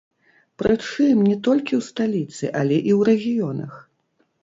Прычым, не толькі ў сталіцы, але і ў рэгіёнах.